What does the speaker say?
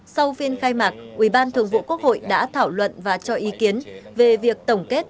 sau phiên khai mạc ủy ban thường vụ quốc hội đã thảo luận và cho ý kiến về việc tổng kết